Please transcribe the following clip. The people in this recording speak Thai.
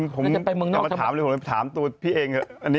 อย่ามาถามตัวพี่เอง